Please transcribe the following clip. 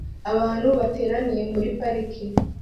Abantu bateraniye muri parike